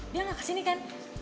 dia gak kesini kan